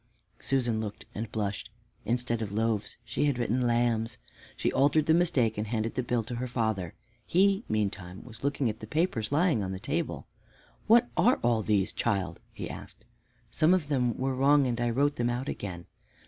Susan looked and blushed. Instead of "loaves" she had written "lambs." She altered the mistake and handed the bill to her father. He, meantime, was looking at the papers lying on the table. "What are all these, child?" he asked. "Some of them were wrong, and I wrote them out again."